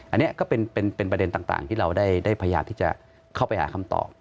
อันนี้ก็เป็นประเด็นต่างที่เราได้พยายามที่จะเข้าไปหาคำตอบ